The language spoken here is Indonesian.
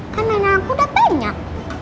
kan mainan aku udah banyak